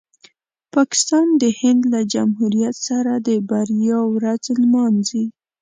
پاکستان د هند له جمهوریت سره د بریا ورځ نمانځي.